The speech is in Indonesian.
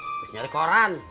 n positif kalau back